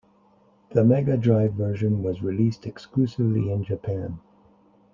The Mega Drive version was released exclusively in Japan.